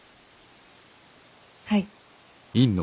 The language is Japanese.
はい。